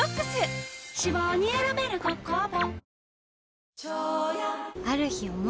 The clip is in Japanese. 脂肪に選べる「コッコアポ」